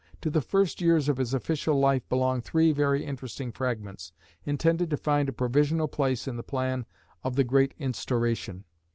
To the first years of his official life belong three very interesting fragments, intended to find a provisional place in the plan of the "Great Instauration."